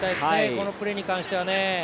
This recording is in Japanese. このプレーに関しては。